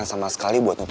kayak sengaja banget